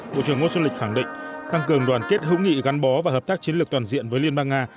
bộ trưởng ngô xuân lịch khẳng định tăng cường đoàn kết hữu nghị gắn bó và hợp tác chiến lược toàn diện với liên bang nga